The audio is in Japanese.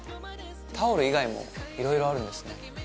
タオル以外もいろいろあるんですね。